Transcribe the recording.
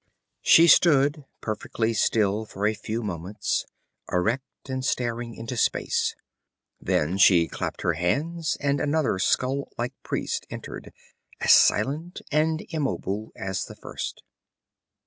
She stood perfectly still for a few moments, erect and staring into space. Then she clapped her hands and another skull like priest entered, as silent and immobile as the first.